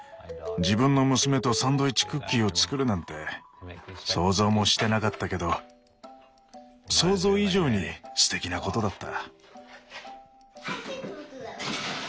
自分の娘とサンドイッチクッキーを作るなんて想像もしてなかったけど想像以上にすてきなことだった。